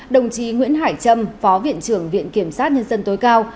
đồng chí nguyễn hải trâm phó viện trưởng viện kiểm sát nhân dân tối cao